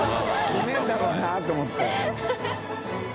うまいんだろうなと思って。